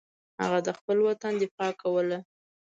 هغه د خپل وطن دفاع کوله.